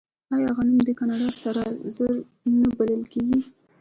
آیا غنم د کاناډا سره زر نه بلل کیږي؟